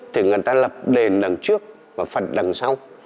thì người ta lập đền đằng trước và phật đằng sau